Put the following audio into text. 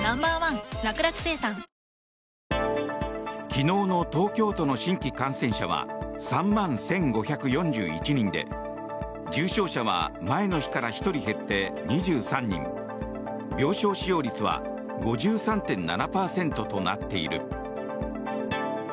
昨日の東京都の新規感染者は３万１５４１人で重症者は前の日から１人減って２３人病床使用率は５３．７％となっている。